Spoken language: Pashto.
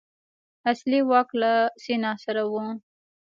اصلي واک له سنا سره و.